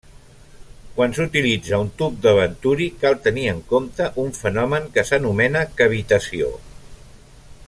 Quan s'utilitza un tub de Venturi cal tenir en compte un fenomen que s'anomena cavitació.